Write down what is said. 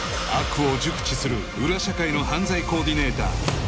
悪を熟知する裏社会の犯罪コーディネーター